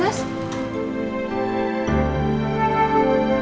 mas cantik banget